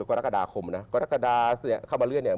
กรกฎาคมนะกรกฎาเข้ามาเรื่อยเนี่ย